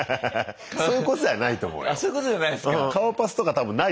そういうことじゃないと思うよ。